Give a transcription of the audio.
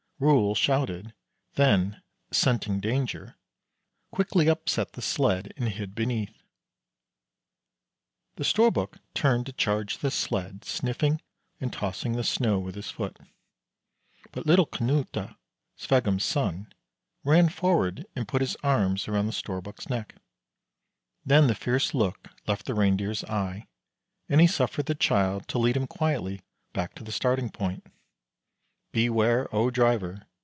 Rol shouted, then, scenting danger, quickly upset the sled and hid beneath. The Storbuk turned to charge the sled, sniffing and tossing the snow with his foot; but little Knute, Sveggum's son, ran forward and put his arms around the Storbuk's neck; then the fierce look left the Reindeer's eye, and he suffered the child to lead him quietly back to the starting point. Beware, O driver!